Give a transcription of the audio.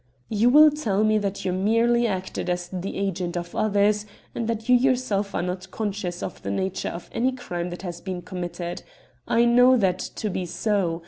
"You will tell me that you merely acted as the agent of others, and that you yourself are not conscious of the nature of any crime that has been committed. I know that to be so.